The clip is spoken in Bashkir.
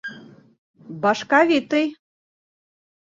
Башковитый.